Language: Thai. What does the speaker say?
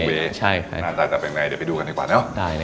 นานใจจับอย่างไรเดี๋ยวไปดูกันดีกว่าได้วะ